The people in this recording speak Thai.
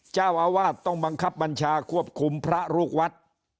เจ้าอาวาสต้องบังคับบัญชาควบคุมพระลูกวัด